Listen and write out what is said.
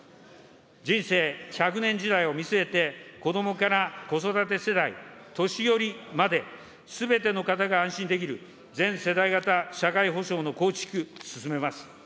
人生１００年時代を見据えて、子どもから子育て世代、年寄りまで、すべての方が安心できる、全世代型社会保障の構築、進めます。